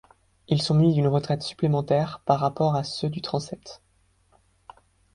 Ils sont munis d'une retraite supplémentaire par rapport à ceux du transept.